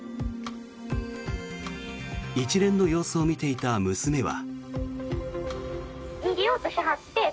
一連の様子を見ていた娘は。